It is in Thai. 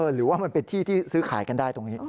หรือว่ามันเป็นที่ที่ซื้อขายกันได้ตรงนี้